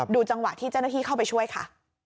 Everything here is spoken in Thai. จังหวะที่เจ้าหน้าที่เข้าไปช่วยค่ะ